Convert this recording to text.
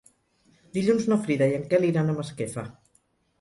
Dilluns na Frida i en Quel iran a Masquefa.